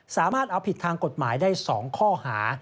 สามารถเอาผิดทางกฎหมายได้๒ข้อหา